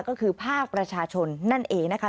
ก็คือภาคประชาชนนั่นเองนะคะ